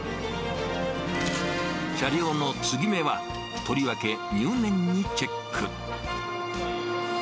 車両の継ぎ目は、とりわけ入念にチェック。